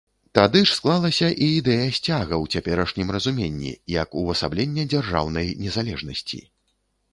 Тады ж склалася і ідэя сцяга ў цяперашнім разуменні, як увасаблення дзяржаўнай незалежнасці.